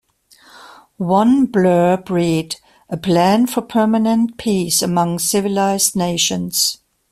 One blurb read: A Plan For Permanent Peace Among Civilized Nations!